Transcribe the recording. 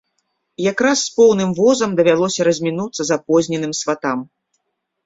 Якраз з поўным возам давялося размінуцца запозненым сватам.